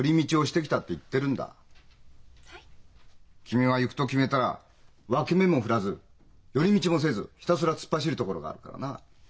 君は行くと決めたら脇目も振らず寄り道もせずひたすら突っ走るところがあるからな。